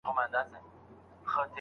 ما په لومړي ځل بعاوت سره لټې کړې ده